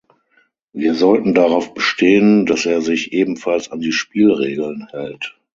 Wir sollten darauf bestehen, dass er sich ebenfalls an die Spielregeln hält.